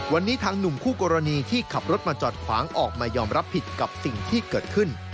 วันนี้ทางหนุ่มคู่กรณีที่ขับรถมาจอดขวางออกมายอมรับผิดกับสิ่งที่เกิดขึ้น